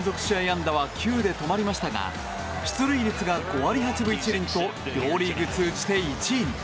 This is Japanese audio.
安打は９で止まりましたが出塁率が５割８分１厘と両リーグ通じて１位に。